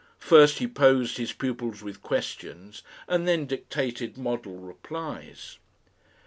First he posed his pupils with questions and then dictated model replies.